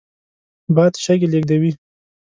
باد شګې لېږدوي